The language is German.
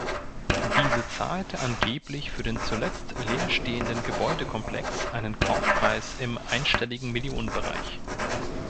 Diese zahlte angeblich für den zuletzt leerstehenden Gebäudekomplex einen Kaufpreis im „einstelligen Millionenbereich“.